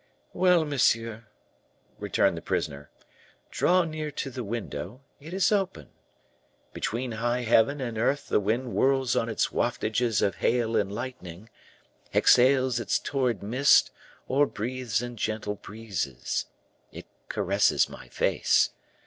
"Well, monsieur," returned the prisoner; "draw near to the window; it is open. Between high heaven and earth the wind whirls on its waftages of hail and lightning, exhales its torrid mist or breathes in gentle breezes. It caresses my face.